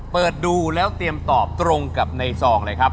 เปิดดูแล้วเตรียมตอบตรงกับในซองเลยครับ